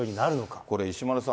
これ、石丸さん